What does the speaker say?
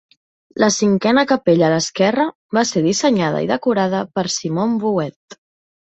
La cinquena capella a l'esquerra va ser dissenyada i decorada per Simon Vouet.